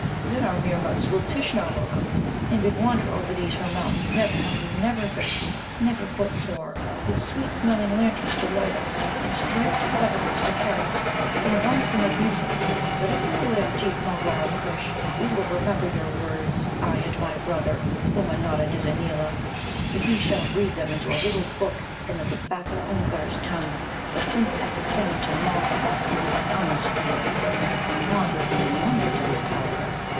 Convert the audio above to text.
Then our Meermuts will Tishnar welcome, and bid wander over these her mountains, never hungry, never thirsty, never footsore, with sweet smelling lanterns to light us, and striped Zevveras to carry us, and gongs to make music. But if we live, Chief Mulgar of Kush, we will remember your words, I and my brother Ummanodda Nizza neela, for he shall breathe them into a little book in the Zbaffle Oomgar's tongue for Prince Assasimmon to mock at in his Ummuz fields." Nod listened in wonder to this palaver.